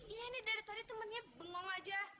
iya ini dari tadi temennya bengong aja